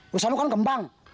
urusan lu kan gembang